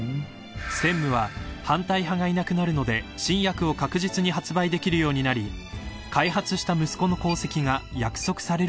［専務は反対派がいなくなるので新薬を確実に発売できるようになり開発した息子の功績が約束されるというもの］